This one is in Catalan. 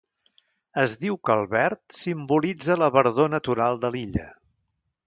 Es diu que el verd simbolitza la verdor natural de l'illa.